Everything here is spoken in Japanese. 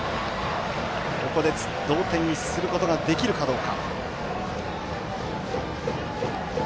ここで同点にすることができるかどうか。